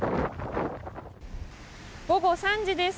午後３時です。